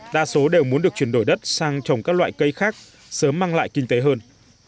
đa số đều muốn được chuyển đổi đất sang trồng các loại cây khác sớm mang lại kinh tế hơn